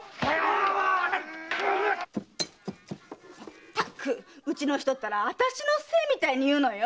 ったくうちの人ったらあたしのせいみたいに言うのよ。